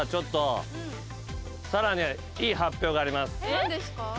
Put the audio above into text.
何ですか？